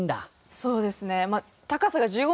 そうですね。